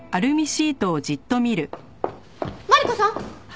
マリコさん！？